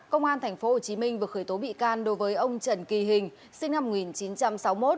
công an tp hcm vừa khởi tố bị can đối với ông trần kỳ hình sinh năm một nghìn chín trăm sáu mươi một